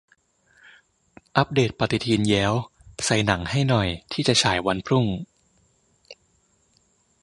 อัปเดตปฏิทินแย้ว ! ใส่หนังให้หน่อย ที่จะฉายวันพรุ่ง